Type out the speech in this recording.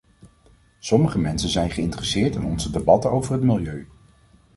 Sommige mensen zijn geïnteresseerd in onze debatten over het milieu.